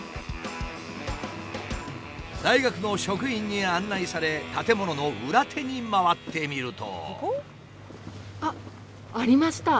大学の職員に案内され建物の裏手に回ってみると。